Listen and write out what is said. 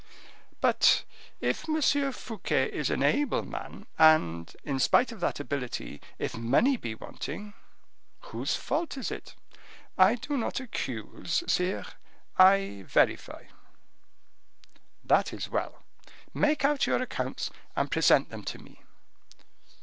"But if M. Fouquet is an able man, and, in spite of that ability, if money be wanting, whose fault is it?" "I do not accuse, sire, I verify." "That is well; make out your accounts, and present them to me.